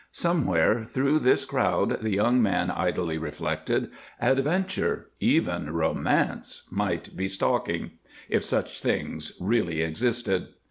Somewhere through this crowd, the young man idly reflected, adventure even romance might be stalking, if such things really existed.